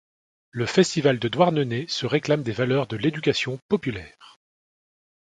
Le festival de Douarnenez se réclame des valeurs de l'éducation populaire.